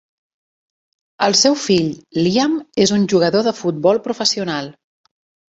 El seu fill, Liam, és un jugador de futbol professional.